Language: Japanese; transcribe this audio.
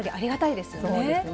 そうですね。